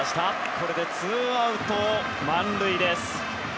これでツーアウト満塁です。